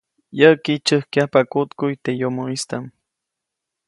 Yäʼki, tsyäjkyajpa kuʼtkuʼy teʼ yomoʼistaʼm.